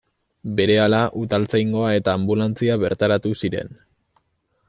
Berehala Udaltzaingoa eta anbulantzia bertaratu ziren.